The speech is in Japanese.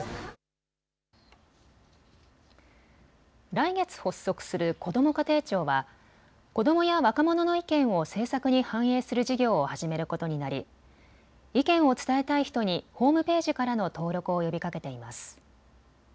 来月発足するこども家庭庁は子どもや若者の意見を政策に反映する事業を始めることになり意見を伝えたい人にホームページからの登録を呼びかけています。